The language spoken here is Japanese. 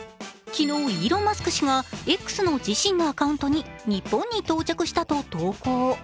昨日、イーロン・マスク氏がＸの自身のアカウントに日本に到着したと投稿。